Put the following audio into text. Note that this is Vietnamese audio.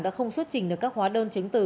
đã không xuất trình được các hóa đơn chứng từ